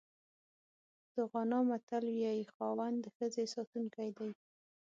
د غانا متل وایي خاوند د ښځې ساتونکی دی.